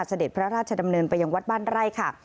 เสด็จพระราชดำเนินไปยังวัดบ้านไร่ค่ะ